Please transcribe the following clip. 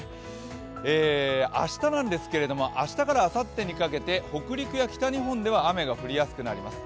明日からあさってにかけて北陸や北日本では雨が降りやすくなります。